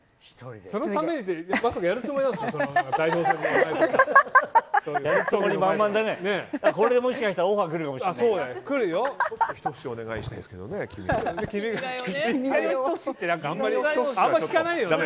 そのためにってまさか、やるつもりですか。